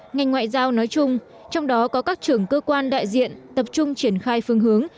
ngành ngoại giao nói chung trong đó có các trưởng cơ quan đại diện tập trung triển khai phương hướng